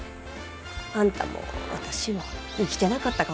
あんたも私も生きてなかったかもしれん。